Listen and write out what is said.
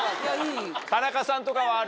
田中さんとかはある？